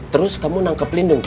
terus kamu nangkep lindung cek